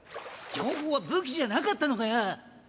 情報は武器じゃなかったのかよ。